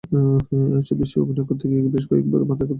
এসব দৃশ্যে অভিনয় করতে গিয়েই বেশ কয়েকবার মাথায় আঘাত পেয়েছিলেন তিনি।